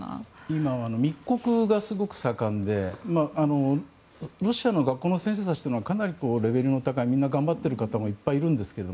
今は密告がすごく盛んでロシアの学校の先生たちはかなりレベルの高いみんな頑張ってる方もいっぱいいるんですけど